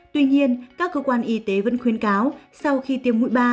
tuy nhiên các cơ quan y tế vẫn khuyến cáo sau khi tiêm mũi ba